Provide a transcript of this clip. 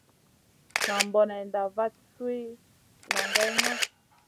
Nan bonenda vat sui nʼongue Noy.